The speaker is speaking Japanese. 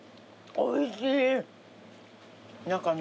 おいしい。